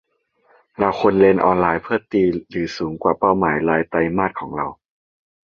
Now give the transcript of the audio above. เราควรออนไลน์เพื่อตีหรือสูงกว่าเป้าหมายรายไตรมาสของเรา